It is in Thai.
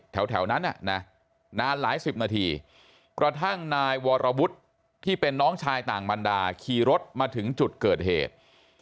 แถวนั้นนานหลายสิบนาทีกระทั่งนายวรวุฒิที่เป็นน้องชายต่างบรรดาขี่รถมาถึงจุดเกิดเหตุ